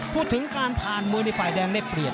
พูดถึงการผ่านมวยในฝ่ายแดงได้เปรียบ